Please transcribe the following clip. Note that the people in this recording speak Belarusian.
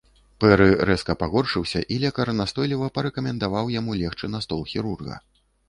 Пэры рэзка пагоршыўся, і лекар настойліва парэкамендаваў яму легчы на стол хірурга.